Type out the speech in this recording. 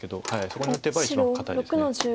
そこに打てば一番堅いです。